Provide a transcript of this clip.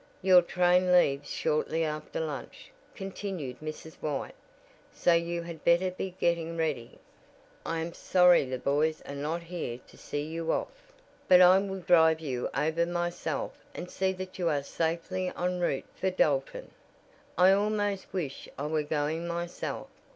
"Your train leaves shortly after lunch," continued Mrs. White, "so you had better be getting ready. I am sorry the boys are not here to see you off, but I will drive you over myself and see that you are safely en route for Dalton. I almost wish I were going myself.